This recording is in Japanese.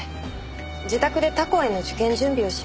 自宅で他校への受験準備をしますと。